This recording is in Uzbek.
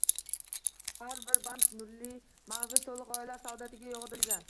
Har bir band nurli, magʻzi toʻq gʻoyalar saodatiga yoʻgʻrilgan.